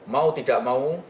mau tidak mau